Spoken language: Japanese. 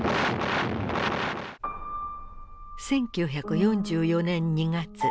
１９４４年２月。